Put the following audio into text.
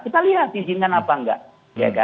kita lihat diizinkan apa enggak